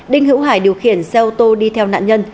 đinh hữu hải điều khiển xe ô tô đi theo nạn nhân